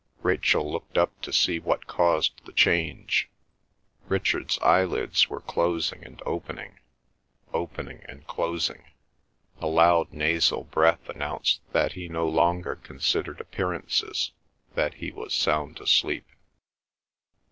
Rachel looked up to see what caused the change. Richard's eyelids were closing and opening; opening and closing. A loud nasal breath announced that he no longer considered appearances, that he was sound asleep.